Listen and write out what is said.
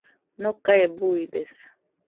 Nokae buidesa